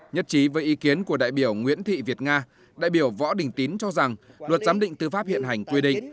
nhất trí với ý kiến của đại biểu nguyễn thị việt nga đại biểu võ đình tín cho rằng luật giám định tư pháp hiện hành quy định